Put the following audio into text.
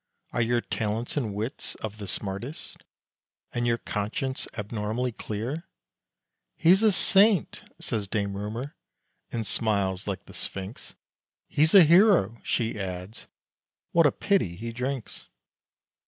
Are your talents and wits of the smartest, And your conscience abnormally clear? "He's a saint!" says Dame Rumor, and smiles like the Sphinx. "He's a hero!" (She adds:) "What a pity he drinks!"